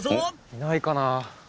いないかなあ。